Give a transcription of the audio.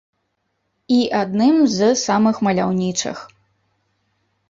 І адным з самых маляўнічых.